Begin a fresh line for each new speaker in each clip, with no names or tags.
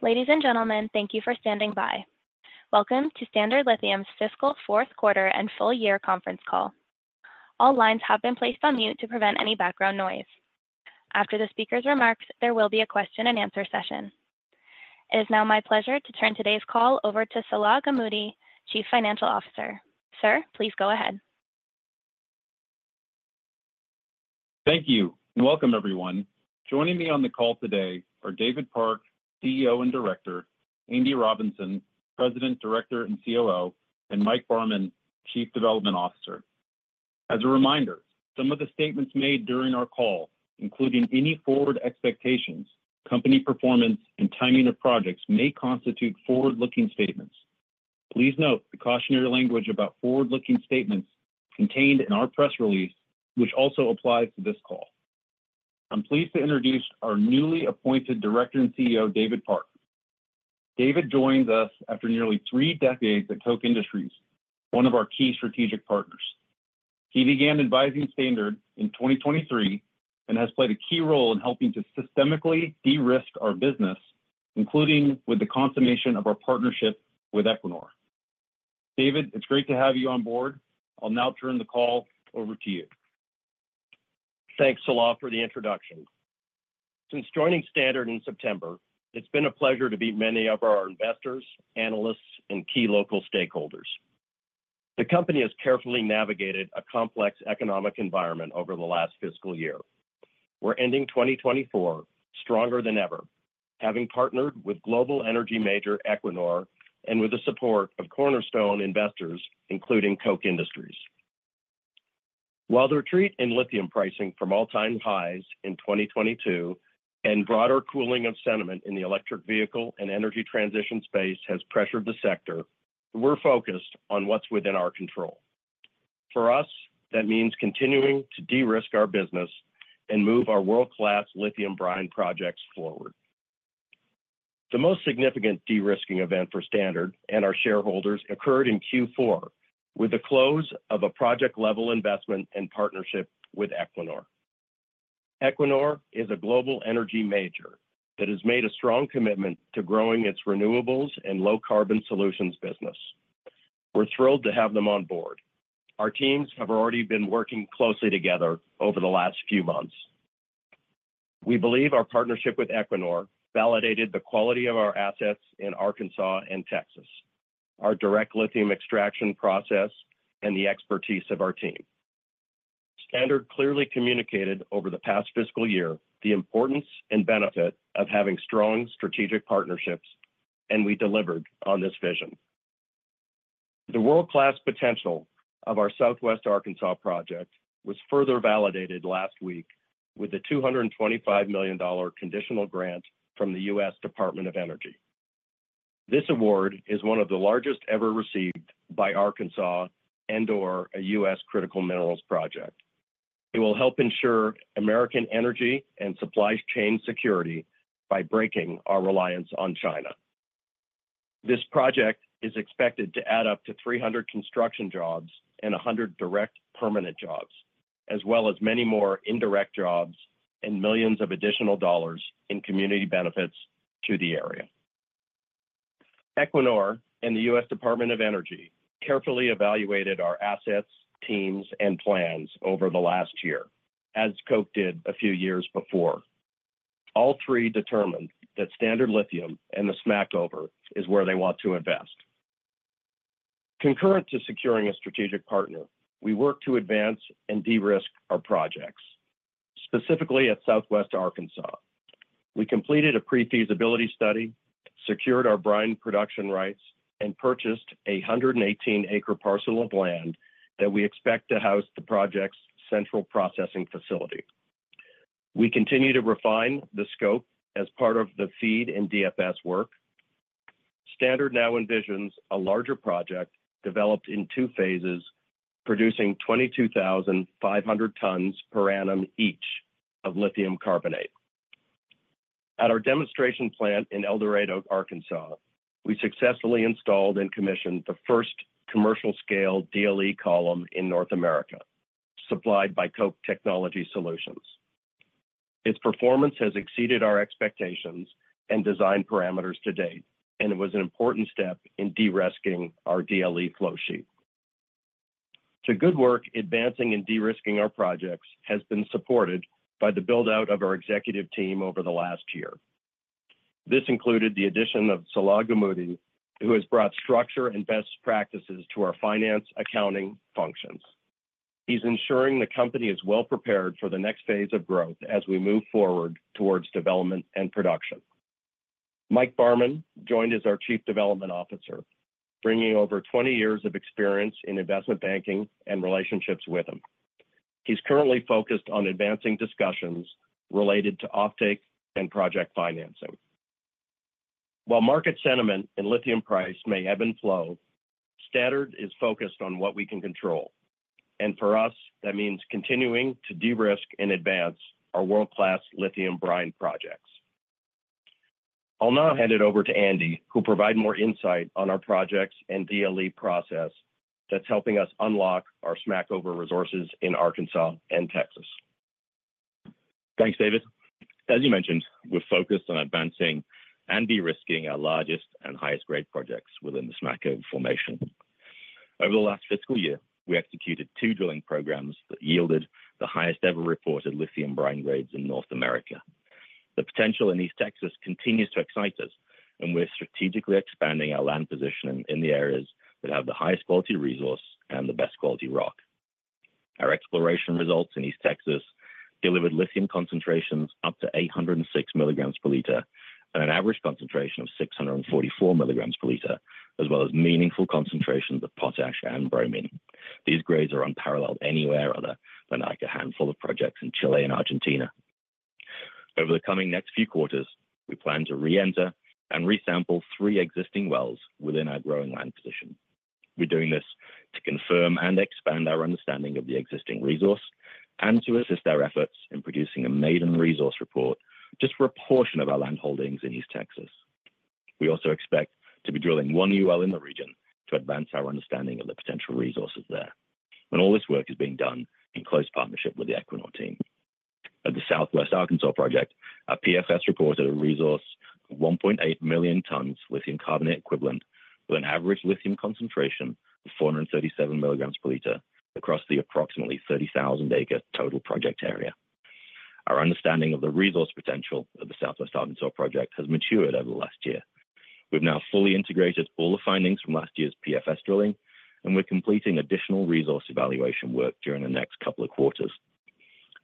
Ladies and gentlemen, thank you for standing by. Welcome to Standard Lithium's Fiscal Fourth Quarter and Full Year Conference Call. All lines have been placed on mute to prevent any background noise. After the speaker's remarks, there will be a question and answer session. It is now my pleasure to turn today's call over to Salah Gamoudi, Chief Financial Officer. Sir, please go ahead.
Thank you, and welcome everyone. Joining me on the call today are David Park, CEO and Director, Andy Robinson, President, Director, and COO, and Mike Barman, Chief Development Officer. As a reminder, some of the statements made during our call, including any forward expectations, company performance, and timing of projects, may constitute forward-looking statements. Please note the cautionary language about forward-looking statements contained in our press release, which also applies to this call. I'm pleased to introduce our newly appointed director and CEO, David Park. David joins us after nearly three decades at Koch Industries, one of our key strategic partners. He began advising Standard in 2023 and has played a key role in helping to systematically de-risk our business, including with the consummation of our partnership with Equinor. David, it's great to have you on board. I'll now turn the call over to you.
Thanks, Salah, for the introduction. Since joining Standard in September, it's been a pleasure to meet many of our investors, analysts, and key local stakeholders. The company has carefully navigated a complex economic environment over the last fiscal year. We're ending twenty twenty-four stronger than ever, having partnered with global energy major Equinor and with the support of cornerstone investors, including Koch Industries. While the retreat in lithium pricing from all-time highs in twenty twenty-two and broader cooling of sentiment in the electric vehicle and energy transition space has pressured the sector, we're focused on what's within our control. For us, that means continuing to de-risk our business and move our world-class lithium brine projects forward. The most significant de-risking event for Standard and our shareholders occurred in Q4, with the close of a project-level investment and partnership with Equinor. Equinor is a global energy major that has made a strong commitment to growing its renewables and low-carbon solutions business. We're thrilled to have them on board. Our teams have already been working closely together over the last few months. We believe our partnership with Equinor validated the quality of our assets in Arkansas and Texas, our direct lithium extraction process, and the expertise of our team. Standard clearly communicated over the past fiscal year the importance and benefit of having strong strategic partnerships, and we delivered on this vision. The world-class potential of our Southwest Arkansas project was further validated last week with a $225 million conditional grant from the U.S. Department of Energy. This award is one of the largest ever received by Arkansas and, or a U.S. critical minerals project. It will help ensure American energy and supply chain security by breaking our reliance on China. This project is expected to add up to 300 construction jobs and 100 direct permanent jobs, as well as many more indirect jobs and millions of additional dollars in community benefits to the area. Equinor and the U.S. Department of Energy carefully evaluated our assets, teams, and plans over the last year, as Koch did a few years before. All three determined that Standard Lithium and the Smackover is where they want to invest. Concurrent to securing a strategic partner, we worked to advance and de-risk our projects, specifically at Southwest Arkansas. We completed a pre-feasibility study, secured our brine production rights, and purchased a 118-acre parcel of land that we expect to house the project's central processing facility. We continue to refine the scope as part of the FEED and DFS work. Standard now envisions a larger project developed in two phases, producing 22,500 tons per annum each of lithium carbonate. At our demonstration plant in El Dorado, Arkansas, we successfully installed and commissioned the first commercial-scale DLE column in North America, supplied by Koch Technology Solutions. Its performance has exceeded our expectations and design parameters to date, and it was an important step in de-risking our DLE flow sheet. The good work advancing and de-risking our projects has been supported by the build-out of our executive team over the last year. This included the addition of Salah Gamoudi, who has brought structure and best practices to our finance accounting functions. He's ensuring the company is well prepared for the next phase of growth as we move forward towards development and production. Mike Barman joined as our Chief Development Officer, bringing over twenty years of experience in investment banking and relationships with him. He's currently focused on advancing discussions related to offtake and project financing. While market sentiment and lithium price may ebb and flow, Standard is focused on what we can control, and for us, that means continuing to de-risk and advance our world-class lithium brine projects. I'll now hand it over to Andy, who will provide more insight on our projects and DLE process that's helping us unlock our Smackover resources in Arkansas and Texas....
Thanks, David. As you mentioned, we're focused on advancing and de-risking our largest and highest grade projects within the Smackover Formation. Over the last fiscal year, we executed two drilling programs that yielded the highest ever reported lithium brine grades in North America. The potential in East Texas continues to excite us, and we're strategically expanding our land positioning in the areas that have the highest quality resource and the best quality rock. Our exploration results in East Texas delivered lithium concentrations up to 806 milligrams per liter, and an average concentration of 644 milligrams per liter, as well as meaningful concentrations of potash and bromine. These grades are unparalleled anywhere other than like a handful of projects in Chile and Argentina. Over the coming next few quarters, we plan to re-enter and resample three existing wells within our growing land position. We're doing this to confirm and expand our understanding of the existing resource, and to assist our efforts in producing a maiden resource report, just for a portion of our land holdings in East Texas. We also expect to be drilling one new we in the region to advance our understanding of the potential resources there. And all this work is being done in close partnership with the Equinor team. At the Southwest Arkansas project, our PFS reported a resource of 1.8 million tons lithium carbonate equivalent, with an average lithium concentration of 437 milligrams per liter across the approximately 30,000-acre total project area. Our understanding of the resource potential of the Southwest Arkansas project has matured over the last year. We've now fully integrated all the findings from last year's PFS drilling, and we're completing additional resource evaluation work during the next couple of quarters.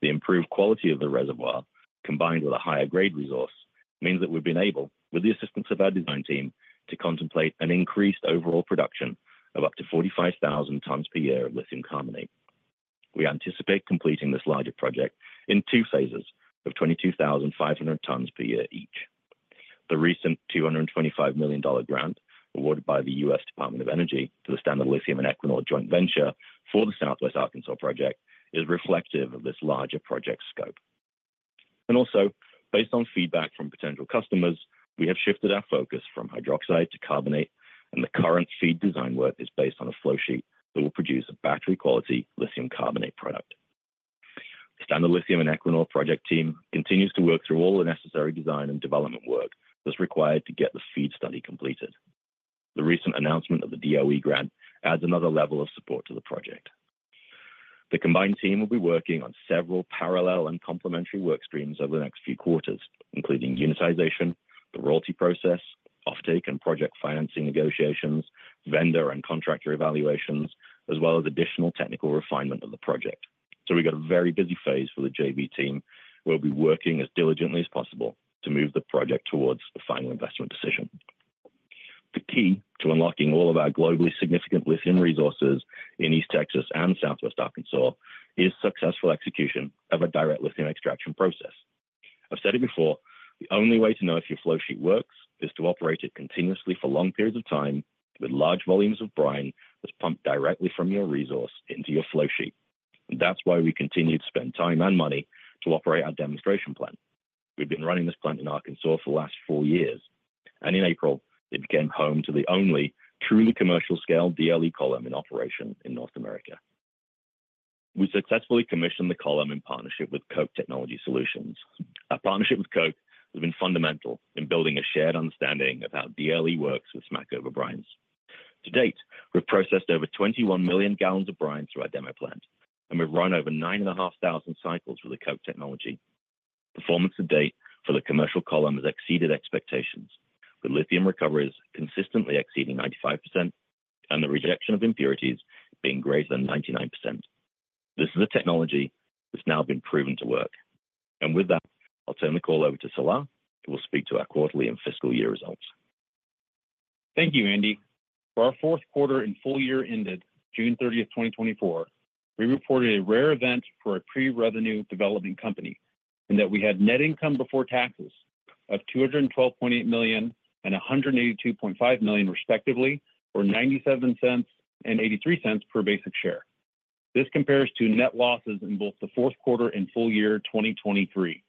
The improved quality of the reservoir, combined with a higher grade resource, means that we've been able, with the assistance of our design team, to contemplate an increased overall production of up to 45,000 tons per year of lithium carbonate. We anticipate completing this larger project in two phases of 22,500 tons per year each. The recent $225 million grant, awarded by the U.S. Department of Energy to the Standard Lithium and Equinor Joint Venture for the Southwest Arkansas project, is reflective of this larger project scope. And also, based on feedback from potential customers, we have shifted our focus from hydroxide to carbonate, and the current FEED design work is based on a flow sheet that will produce a battery-quality lithium carbonate product. The Standard Lithium and Equinor project team continues to work through all the necessary design and development work that's required to get the FEED study completed. The recent announcement of the DOE grant adds another level of support to the project. The combined team will be working on several parallel and complementary work streams over the next few quarters, including unitization, the royalty process, offtake and project financing negotiations, vendor and contractor evaluations, as well as additional technical refinement of the project. So we've got a very busy phase for the JV team. We'll be working as diligently as possible to move the project towards the final investment decision. The key to unlocking all of our globally significant lithium resources in East Texas and Southwest Arkansas is successful execution of a direct lithium extraction process. I've said it before, the only way to know if your flow sheet works is to operate it continuously for long periods of time, with large volumes of brine that's pumped directly from your resource into your flow sheet, and that's why we continue to spend time and money to operate our demonstration plant. We've been running this plant in Arkansas for the last four years, and in April, it became home to the only truly commercial scale DLE column in operation in North America. We successfully commissioned the column in partnership with Koch Technology Solutions. Our partnership with Koch has been fundamental in building a shared understanding of how DLE works with Smackover brines. To date, we've processed over 21 million gallons of brine through our demo plant, and we've run over 9,500 cycles with the Koch technology. Performance to date for the commercial column has exceeded expectations, with lithium recoveries consistently exceeding 95%, and the rejection of impurities being greater than 99%. This is a technology that's now been proven to work. And with that, I'll turn the call over to Salah, who will speak to our quarterly and fiscal year results.
Thank you, Andy. For our fourth quarter and full year ended June 30, 2024, we reported a rare event for a pre-revenue developing company, in that we had net income before taxes of $212.8 million and $182.5 million, respectively, or $0.97 and $0.83 per basic share. This compares to net losses in both the fourth quarter and full year 2023.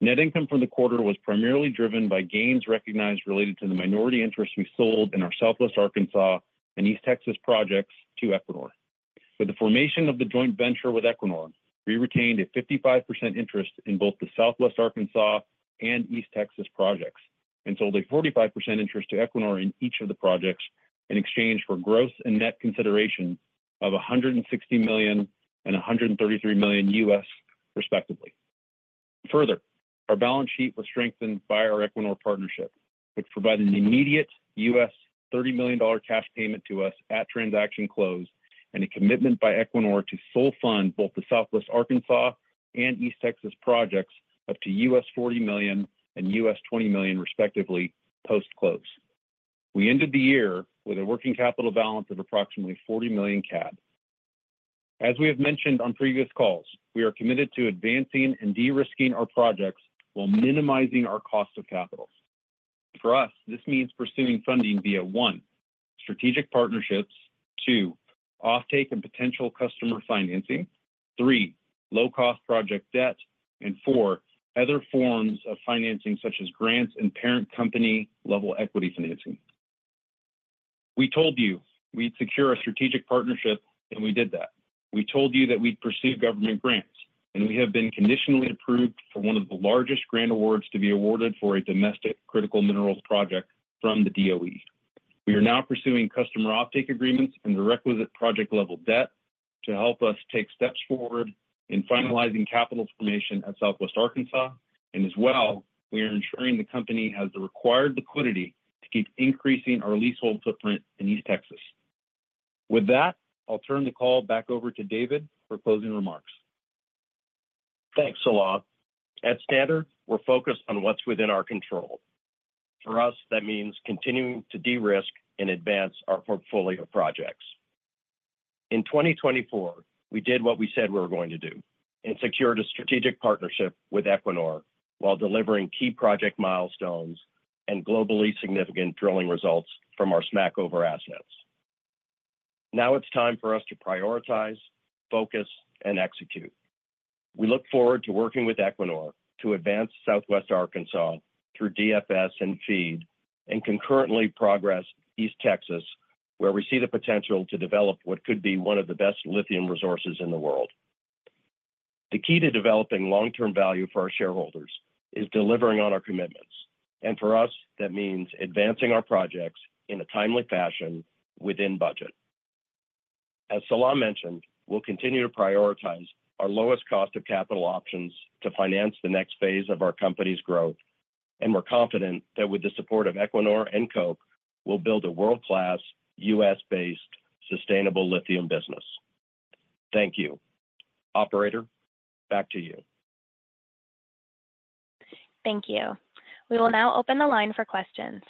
Net income for the quarter was primarily driven by gains recognized related to the minority interests we sold in our Southwest Arkansas and East Texas projects to Equinor. With the formation of the joint venture with Equinor, we retained a 55% interest in both the Southwest Arkansas and East Texas projects, and sold a 45% interest to Equinor in each of the projects, in exchange for gross and net consideration of $160 million and $133 million, respectively. Further, our balance sheet was strengthened by our Equinor partnership, which provided an immediate $30 million cash payment to us at transaction close, and a commitment by Equinor to sole fund both the Southwest Arkansas and East Texas projects, up to $40 million and $20 million, respectively, post-close. We ended the year with a working capital balance of approximately 40 million CAD. As we have mentioned on previous calls, we are committed to advancing and de-risking our projects while minimizing our cost of capital. For us, this means pursuing funding via one, strategic partnerships. Two, offtake and potential customer financing. Three, low-cost project debt. And four, other forms of financing, such as grants and parent company-level equity financing.... We told you we'd secure a strategic partnership, and we did that. We told you that we'd pursue government grants, and we have been conditionally approved for one of the largest grant awards to be awarded for a domestic critical minerals project from the DOE. We are now pursuing customer offtake agreements and the requisite project level debt to help us take steps forward in finalizing capital formation at Southwest Arkansas, and as well, we are ensuring the company has the required liquidity to keep increasing our leasehold footprint in East Texas. With that, I'll turn the call back over to David for closing remarks.
Thanks a lot. At Standard, we're focused on what's within our control. For us, that means continuing to de-risk and advance our portfolio of projects. In twenty twenty-four, we did what we said we were going to do, and secured a strategic partnership with Equinor while delivering key project milestones and globally significant drilling results from our Smackover assets. Now it's time for us to prioritize, focus, and execute. We look forward to working with Equinor to advance Southwest Arkansas through DFS and FEED, and concurrently progress East Texas, where we see the potential to develop what could be one of the best lithium resources in the world. The key to developing long-term value for our shareholders is delivering on our commitments, and for us, that means advancing our projects in a timely fashion within budget. As Salah mentioned, we'll continue to prioritize our lowest cost of capital options to finance the next phase of our company's growth, and we're confident that with the support of Equinor and Koch, we'll build a world-class, US-based, sustainable lithium business. Thank you. Operator, back to you.
Thank you. We will now open the line for questions.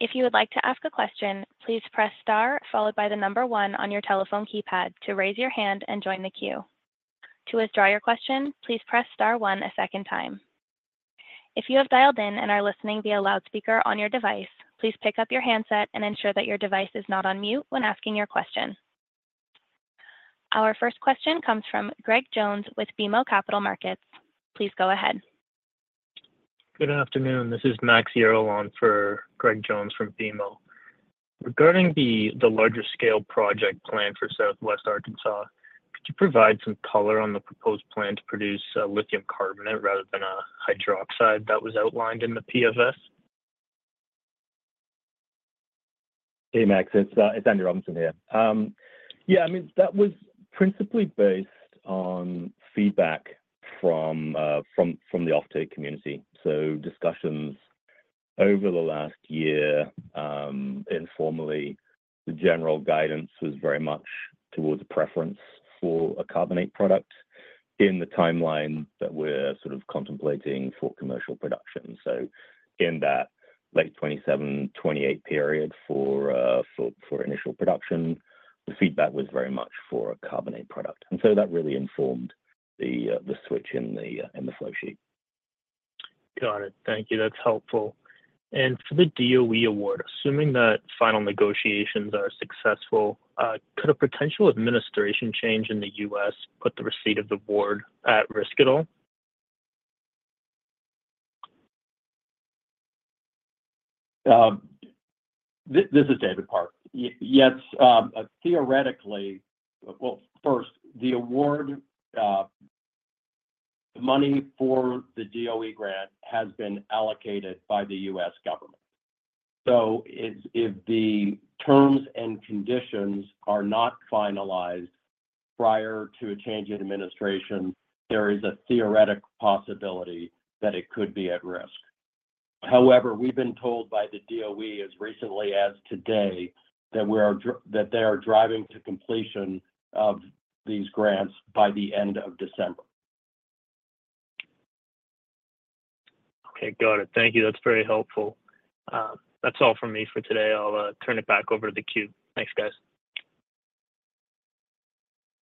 If you would like to ask a question, please press star followed by the number one on your telephone keypad to raise your hand and join the queue. To withdraw your question, please press star one a second time. If you have dialed in and are listening via loudspeaker on your device, please pick up your handset and ensure that your device is not on mute when asking your question. Our first question comes from Greg Jones with BMO Capital Markets. Please go ahead.
Good afternoon. This is Max Yaron for Greg Jones from BMO. Regarding the larger scale project plan for Southwest Arkansas, could you provide some color on the proposed plan to produce lithium carbonate rather than a hydroxide that was outlined in the PFS?
Hey, Max, it's Andrew Robinson here. Yeah, I mean, that was principally based on feedback from the offtake community. So discussions over the last year, informally, the general guidance was very much towards a preference for a carbonate product in the timeline that we're sort of contemplating for commercial production. So in that late 2027, 2028 period for initial production, the feedback was very much for a carbonate product. And so that really informed the switch in the flow sheet.
Got it. Thank you. That's helpful. And for the DOE award, assuming that final negotiations are successful, could a potential administration change in the US put the receipt of the award at risk at all?
This is David Park. Yes, theoretically. Well, first, the award, the money for the DOE grant has been allocated by the U.S. government. So if the terms and conditions are not finalized prior to a change in administration, there is a theoretical possibility that it could be at risk. However, we've been told by the DOE as recently as today, that they are driving to completion of these grants by the end of December.
Okay, got it. Thank you. That's very helpful. That's all from me for today. I'll turn it back over to the queue. Thanks, guys.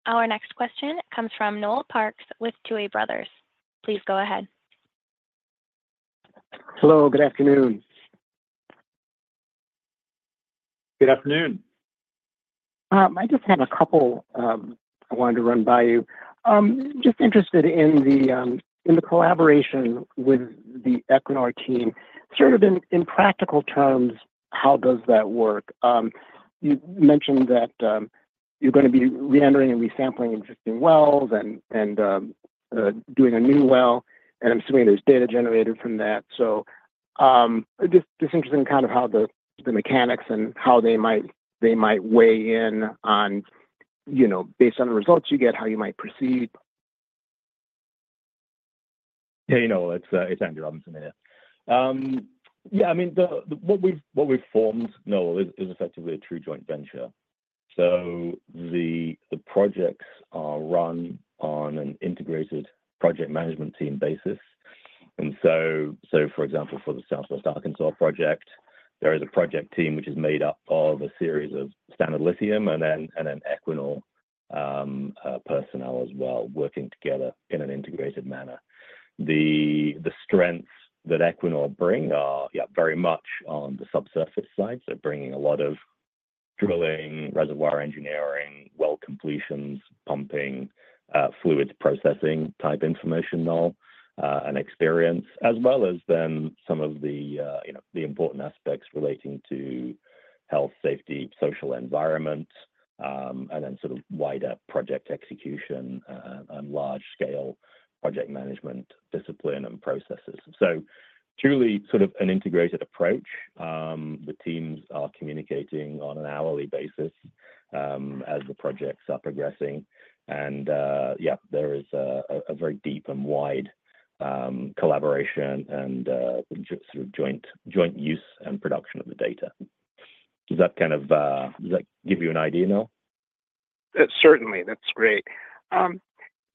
Our next question comes from Noel Parks with Tuohy Brothers. Please go ahead.
Hello, good afternoon.
Good afternoon.
I just have a couple I wanted to run by you. Just interested in the collaboration with the Equinor team. Sort of in practical terms, how does that work? You mentioned that you're gonna be reentering and resampling existing wells and doing a new well, and I'm assuming there's data generated from that. So, just interesting kind of how the mechanics and how they might weigh in on, you know, based on the results you get, how you might proceed.
Hey, Noel, it's Andrew Robinson here. Yeah, I mean, what we've formed, Noel, is effectively a true joint venture. So the projects are run on an integrated project management team basis. For example, for the Southwest Arkansas project, there is a project team which is made up of a series of Standard Lithium and then Equinor personnel as well, working together in an integrated manner. The strengths that Equinor bring are, yeah, very much on the subsurface side. They're bringing a lot of-... Drilling, reservoir engineering, well completions, pumping, fluids processing type information, Noel, and experience, as well as then some of the, you know, the important aspects relating to health, safety, social environment, and then sort of wider project execution, and large scale project management, discipline, and processes. So truly sort of an integrated approach. The teams are communicating on an hourly basis, as the projects are progressing. And, yeah, there is a very deep and wide collaboration and sort of joint use and production of the data. Does that give you an idea, Noel?
Certainly. That's great,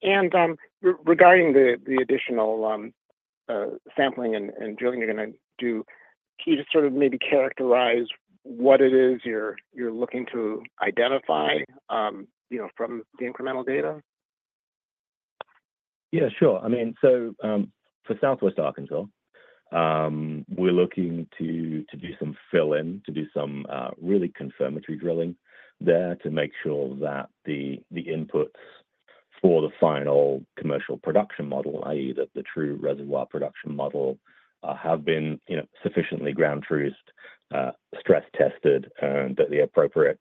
and regarding the additional sampling and drilling you're gonna do, can you just sort of maybe characterize what it is you're looking to identify, you know, from the incremental data?
Yeah, sure. I mean, so, for Southwest Arkansas, we're looking to do some fill in, really confirmatory drilling there to make sure that the inputs for the final commercial production model, i.e., that the true reservoir production model, have been, you know, sufficiently ground truthed, stress tested, and that the appropriate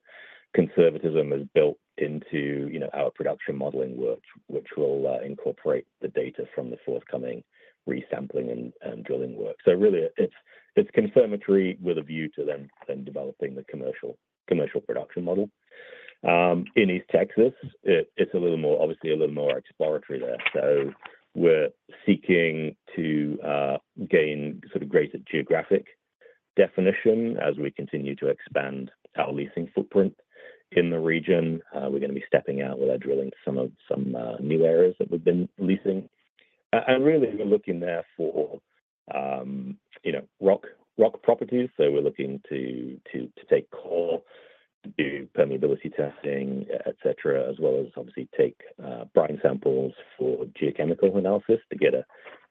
conservatism is built into, you know, our production modeling work, which will incorporate the data from the forthcoming resampling and drilling work. So really, it's confirmatory with a view to then developing the commercial production model. In East Texas, it's a little more, obviously a little more exploratory there. So we're seeking to gain sort of greater geographic definition as we continue to expand our leasing footprint in the region. We're gonna be stepping out with our drilling to some new areas that we've been leasing. Really, we're looking there for you know rock properties. So we're looking to take core, to do permeability testing, et cetera, as well as obviously take brine samples for geochemical analysis to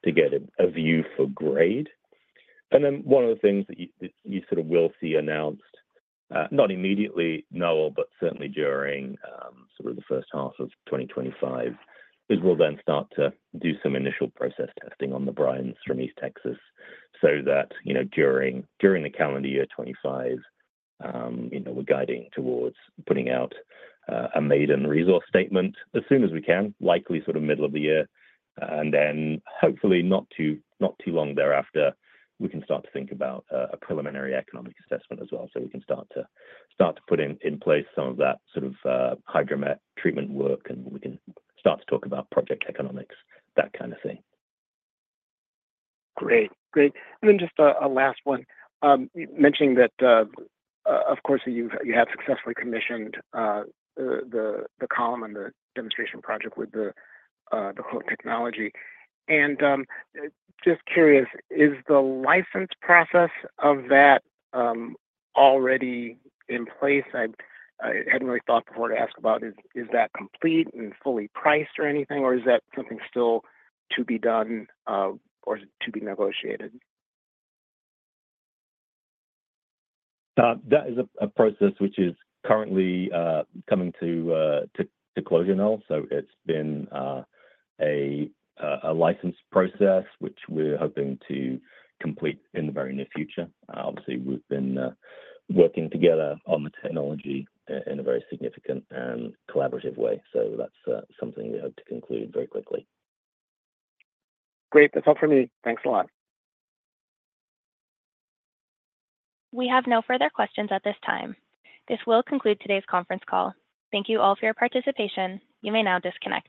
get a view for grade. Then one of the things that you sort of will see announced not immediately, Noel, but certainly during sort of the first half of 2025, is we'll then start to do some initial process testing on the brines from East Texas, so that you know during the calendar year 2025 you know we're guiding towards putting out a maiden resource statement as soon as we can, likely sort of middle of the year. And then hopefully, not too, not too long thereafter, we can start to think about a preliminary economic assessment as well. So we can start to, start to put in, in place some of that sort of, hydromet treatment work, and we can start to talk about project economics, that kind of thing.
Great. Great. And then just a last one. You mentioning that, of course, you have successfully commissioned the column and the demonstration project with the Koch technology. And just curious, is the license process of that already in place? I hadn't really thought before to ask about, is that complete and fully priced or anything, or is that something still to be done or to be negotiated?
That is a process which is currently coming to closure, Noel. So it's been a license process, which we're hoping to complete in the very near future. Obviously, we've been working together on the technology in a very significant and collaborative way, so that's something we hope to conclude very quickly.
Great. That's all for me. Thanks a lot.
We have no further questions at this time. This will conclude today's conference call. Thank you all for your participation. You may now disconnect.